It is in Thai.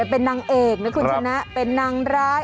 เป็นนางเอกนะคุณชนะเป็นนางร้าย